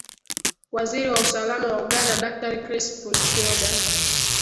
waziri wa usalama wa uganda daktari chris puskioga